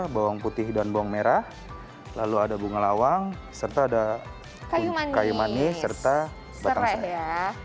bawang putih dan bawang merah lalu ada bunga lawang serta ada kayu manis serta batang saya